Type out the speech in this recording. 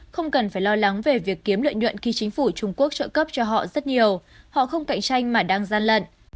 không cần phải lo lắng về việc kiếm lợi nhuận khi chính phủ trung quốc trợ cấp cho họ rất nhiều họ không cạnh tranh mà đang gian lận